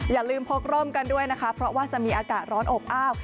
อย่าลืมพกร่มกันด้วยนะคะเพราะว่าจะมีอากาศร้อนอบอ้าว